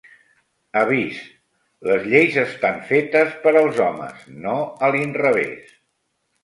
Avís: les lleis estan fetes per als homes, no a l'inrevès...